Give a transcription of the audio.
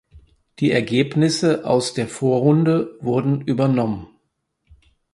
Die Ergebnisse aus der Vorrunde wurden übernommen.